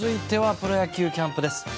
続いてはプロ野球キャンプです。